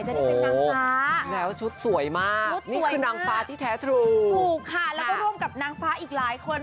โอ้โหแล้วชุดสวยมากนี่คือนางฟ้าที่แท้ถูกค่ะแล้วก็ร่วมกับนางฟ้าอีกหลายคน